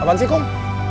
apaan sih kum